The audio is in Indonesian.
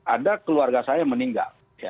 ada keluarga saya meninggal